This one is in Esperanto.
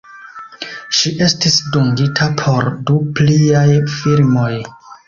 Ŝi estis dungita por du pliaj filmoj.